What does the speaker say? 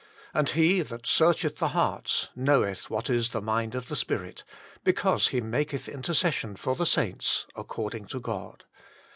And He that searcheth the hearts knoweth what is the mind of the Spirit, because He maketh intercession for the saints according to God."